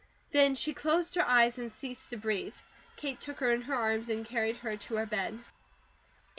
Then she closed her eyes and ceased to breathe. Kate took her into her arms and carried her to her bed.